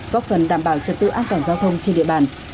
góp phần đảm bảo trật tự an toàn giao thông trên địa bàn